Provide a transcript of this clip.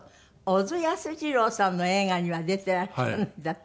小津安二郎さんの映画には出てらっしゃらないんだって？